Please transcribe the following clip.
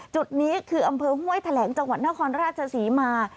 จุดนี้คืออำเภอห้วยแถลงจังหวัดนครราชศรีมา